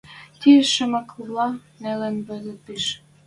Ти шамаквлӓ нелӹн вазыт пиш.